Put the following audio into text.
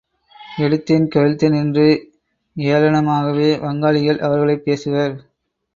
எடுத்தேன் கவிழ்த்தேன் என்று ஏளனமாகவே வங்காளிகள் அவர்களைப் பேசுவர்!